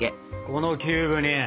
このキューブに。